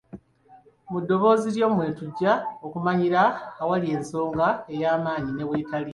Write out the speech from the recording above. Mu ddoboozi lyo mwe tujja okumanyira awali ensonga ey'amaanyi ne weetali.